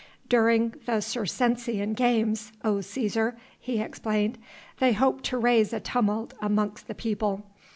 "During the Circensian games, O Cæsar," he explained, "they hope to raise a tumult amongst the people